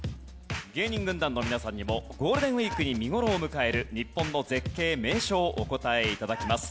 芸人軍団の皆さんにもゴールデンウィークに見頃を迎える日本の絶景・名所をお答え頂きます。